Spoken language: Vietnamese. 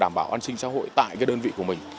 đảm bảo an sinh xã hội tại cái đơn vị của mình